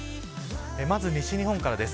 まず西日本からです。